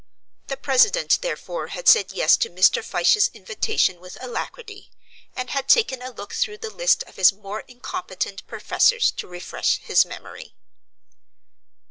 The president, therefore, had said yes to Mr. Fyshe's invitation with alacrity, and had taken a look through the list of his more incompetent professors to refresh his memory.